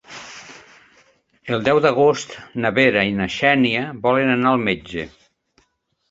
El deu d'agost na Vera i na Xènia volen anar al metge.